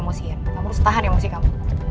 kamu gak boleh emosian kamu harus tahan emosi kamu